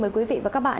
mời quý vị và các bạn